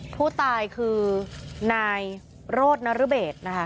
ผู้ตายคือนายโรธนรเบช